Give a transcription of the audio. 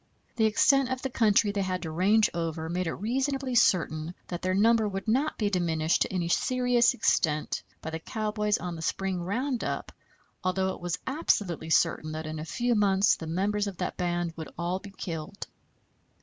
The extent of the country they had to range over made it reasonably certain that their number would not be diminished to any serious extent by the cowboys on the spring round up, although it was absolutely certain that in a few months the members of that band would all be killed.